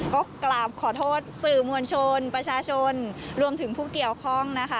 ก็กราบขอโทษสื่อมวลชนประชาชนรวมถึงผู้เกี่ยวข้องนะคะ